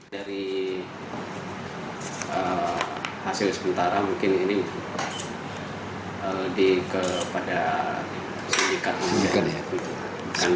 dari hasil sementara mungkin ini lebih kepada sindikat